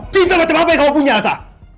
cinta macam apa yang kamu punya elsa